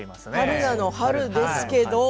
春菜の「春」ですけど。